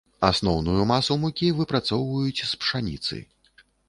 Асноўную масу мукі выпрацоўваюць з пшаніцы.